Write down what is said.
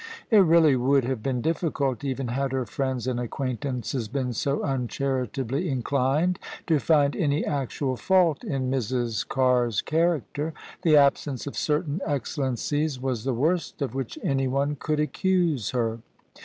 It really would have been difficult, even had her friends and acquaintances been .so uncharitably inclined, to find any actual fault in Mrs. Carr's character: the absence of certain excellencies was the worst of which anyone could accuse her.